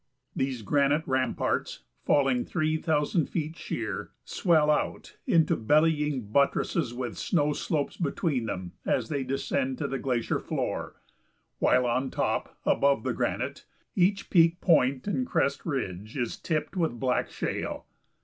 These granite ramparts, falling three thousand feet sheer, swell out into bellying buttresses with snow slopes between them as they descend to the glacier floor, while on top, above the granite, each peak point and crest ridge is tipped with black shale.